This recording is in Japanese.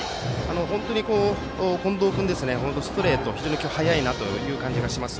本当に近藤君ストレートが非常に速いなという感じます。